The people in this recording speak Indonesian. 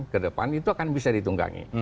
ke depan itu akan bisa ditunggangi